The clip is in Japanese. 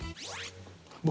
僕